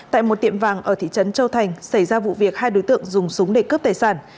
tại một tiệm vàng ở thị trấn châu thành xảy ra vụ việc hai đối tượng dùng súng để cướp tài sản